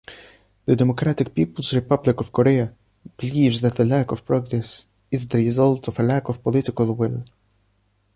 The Democratic People's Republic of Korea believes that the lack of progress is the result of a lack of political will.